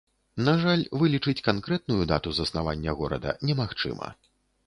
На жаль, вылічыць канкрэтную дату заснавання горада немагчыма.